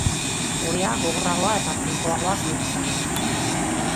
Orea, gogorragoa eta trinkoagoa bihurtzen da.